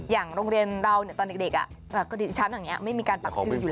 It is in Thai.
อย่างโรงเรียนเราเนี่ยตอนเด็กอ่ะชั้นแบบนี้ไม่มีการปักชื่ออยู่